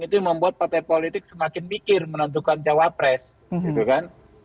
itu yang membuat partai politik semakin mikir menentukan cawapres gitu kan